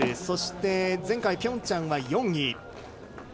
そして、前回ピョンチャンは４位。